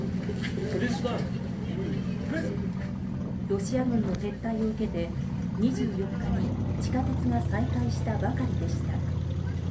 ロシア軍の撤退を受けて２４日に地下鉄が再開したばかりでした。